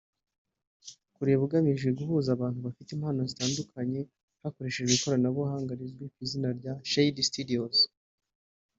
kureba’’ ugamije guhuza abantu bafite impano zitandukanye hakoreshejwe ikoranabuhanga rizwi ku izina rya shared studios